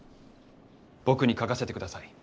僕に書かせてください。